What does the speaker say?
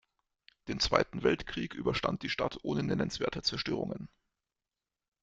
Den Zweiten Weltkrieg überstand die Stadt ohne nennenswerte Zerstörungen.